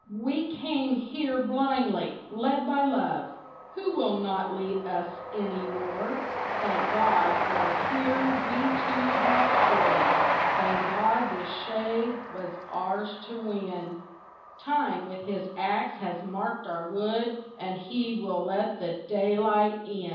We came here blindly, led by love, Who will not lead us any more. Thank God that here we two have stood, Thank God this shade was ours to win; Time with his axe has marked our wood And he will let the daylight in.